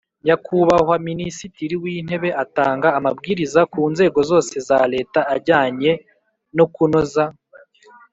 Nyakubahwa Minisitiri w Intebe atanga amabwiriza ku nzego zose za Leta ajyanye no kunoza